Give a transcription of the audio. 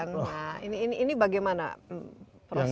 nah ini bagaimana prosesnya